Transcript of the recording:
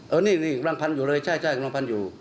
เออนี่รังพันธ์อยู่เลยใช่อันรังพันธ์อยู่